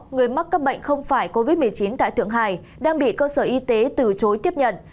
người mắc các bệnh không phải covid một mươi chín tại thượng hải đang bị cơ sở y tế từ chối tiếp nhận